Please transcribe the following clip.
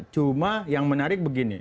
cuma yang menarik begini